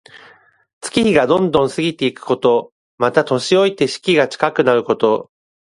月日がどんどん過ぎていくこと。また、年老いて死期が近くなること。